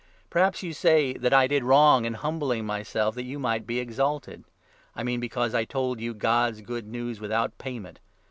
Perhaps you say that I did wrong in humbling myself that 7 you might be exalted — I mean because I told you God's Good News without payment.